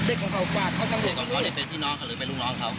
เด็กของเขาเป็นพี่น้องหรือเป็นลูกน้องเขา